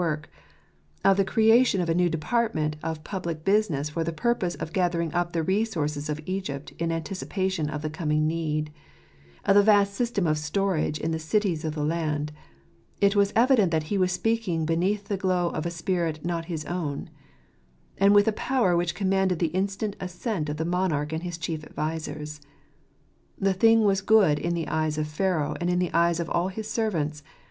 73 life work; of the creation of a new department of public business for the purpose of gathering up the resources of Egypt in anticipation of the coming need; of the vast system of storage in the cities of the land — it was evident that he was speaking beneath the glow of a spirit not his own; and with a power which commanded the instant assent of the monarch and his chief advisers. " The thing was good in the eyes of Pharaoh, and in the eyes of all his servants.